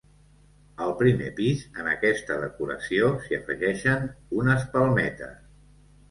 Al primer pis, en aquesta decoració s'hi afegeixen unes palmetes.